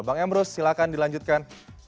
bang emru silahkan dilanjutkan